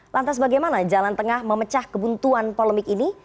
lantas bagaimana jalan tengah memecah kebuntuan polemik ini